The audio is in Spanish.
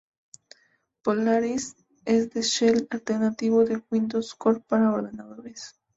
Polaris es el Shell alternativo de Windows Core para ordenadores.